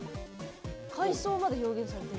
海草まで表現されてる。